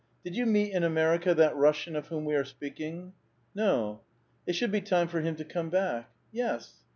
Did you meet in America that Russian of whom we are speaking?" '* No." " It should be time for him to come back.'* "Yes."